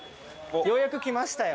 ようやくきましたよ。